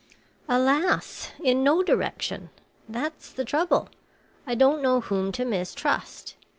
"Alas! in no direction. That is the trouble. I don't know whom to mistrust.